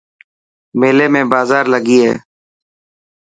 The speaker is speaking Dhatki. ميلي ۾ بازار لگي هي.